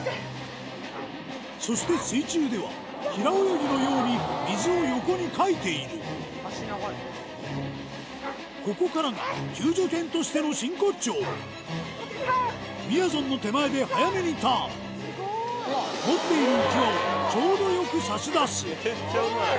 そして水中では平泳ぎのように水を横にかいているここからが救助犬としての真骨頂みやぞんの手前で早めにターン持っている浮輪をちょうどよく差し出すめっちゃうまい。